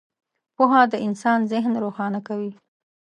• پوهه د انسان ذهن روښانه کوي.